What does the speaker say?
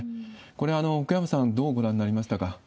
これ、奥山さん、どうご覧になりましたか？